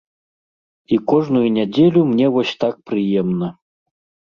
І кожную нядзелю мне вось так прыемна.